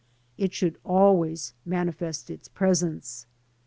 It should always manifest its presence.